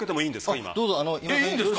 いいんですか？